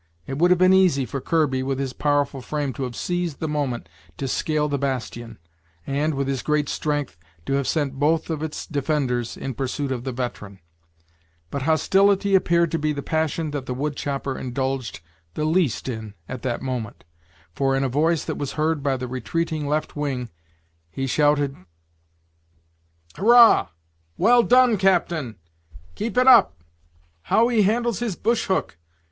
It would have been easy for Kirby, with his powerful frame, to have seized the moment to scale the bastion, and, with his great strength, to have sent both of its defenders in pursuit of the veteran; but hostility appeared to be the passion that the wood chopper indulged the least in at that moment, for, in a voice that was heard by the retreating left wing, he shouted: "Hurrah well done, captain! keep it up! how he handles his bush hook!